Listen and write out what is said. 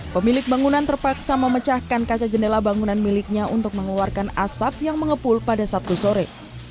pemilik bangunan terpaksa memecahkan kaca jendela bangunan miliknya untuk mengeluarkan asap yang mengepul pada sabtu sore